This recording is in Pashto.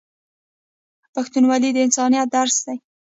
پښتونولي د انسانیت درس دی.